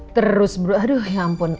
terus aduh ya ampun